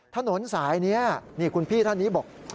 ถนนสายนี้นี่คุณพี่ท่านนี้บอก